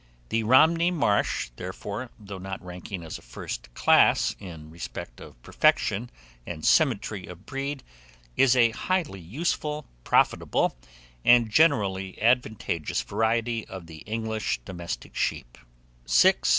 The Romney Marsh, therefore, though not ranking as a first class in respect of perfection and symmetry of breed, is a highly useful, profitable, and generally advantageous variety of the English domestic sheep. 693.